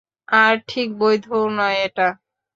আর, ঠিক বৈধও নয় এটা।